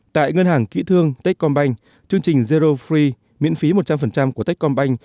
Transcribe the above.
tại ngân hàng kỹ thương techcombank chương trình zero free miễn phí một trăm linh của techcombank